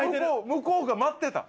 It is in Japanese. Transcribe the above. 向こうが待ってた。